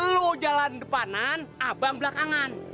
lo jalan depanan abang belakangan